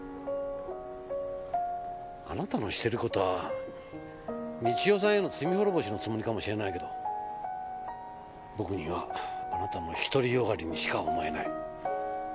あなたのしてる事は美千代さんへの罪滅ぼしのつもりかもしれないけど僕にはあなたの独りよがりにしか思えない。